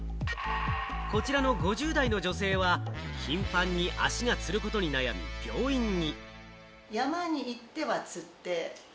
こちらの５０代の女性は頻繁に足がつることに悩み、病院に。